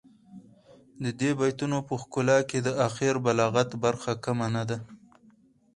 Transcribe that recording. د دې بیتونو په ښکلا کې د اخر بلاغت برخه کمه نه ده.